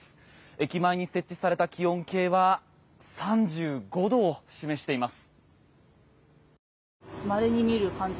駅前に設置された気温計は３５度を示しています。